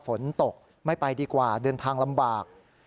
ฝนตกไม่ไปดีกว่าเดินทางลำบาก